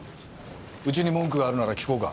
うちに文句があるなら聞こうか。